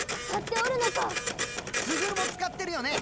スグルも使ってるよね